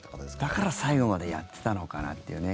だから、最後までやってたのかなっていうね。